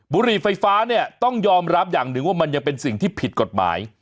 บุหรี่ไฟฟ้าเนี่ยต้องยอมรับอย่างหนึ่งว่ามันยังเป็นสิ่งที่ผิดกฎหมาย